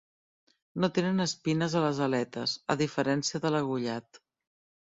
No tenen espines a les aletes, a diferència de l'agullat.